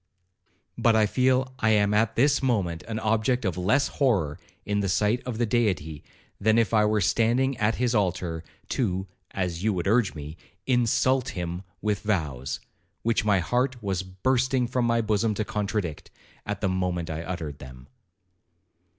But I feel I am at this moment an object of less horror in the sight of the Deity, than if I were standing at his altar, to (as you would urge me) insult him with vows, which my heart was bursting from my bosom to contradict, at the moment I uttered them.'